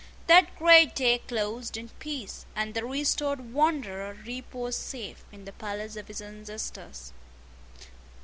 That great day closed in peace; and the restored wanderer reposed safe in the palace of his ancestors.